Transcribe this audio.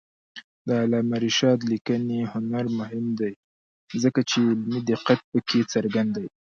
د علامه رشاد لیکنی هنر مهم دی ځکه چې علمي دقت پکې څرګند دی.